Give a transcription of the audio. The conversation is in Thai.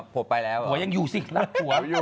ผัวยังอยู่สิรักผัว